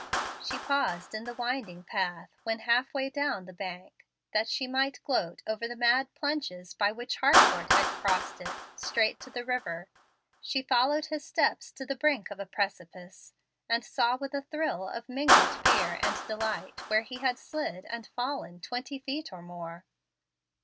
She paused in the winding path when half way down the bank, that she might gloat over the mad plunges by which Harcourt had crossed it, straight to the river. She followed his steps to the brink of a precipice, and saw with a thrill of mingled fear and delight where he had slid and fallen twenty feet or more.